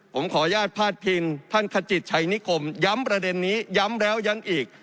ผมขออนุญาตพาดพิงท่านขจิตชัยนิคมย้ำประเด็นนี้ย้ำแล้วย้ำอีก